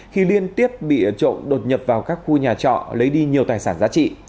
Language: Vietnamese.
khi liên tiếp bị trộm đột nhập vào các khu nhà trọ lấy đi nhiều tài sản giá trị